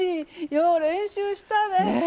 よう練習したね。